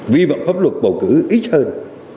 vi vọng pháp luật bầu cử ít hơn